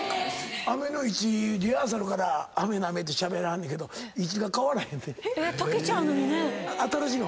アメの位置リハーサルからアメなめてしゃべりはんねんけど位置が変わらへんねん。